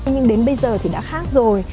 nhưng đến bây giờ thì đã khác rồi